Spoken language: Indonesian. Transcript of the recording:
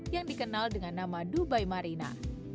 yang dikenal dengan nama dubai marina